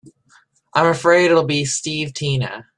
I'm afraid it'll be Steve Tina.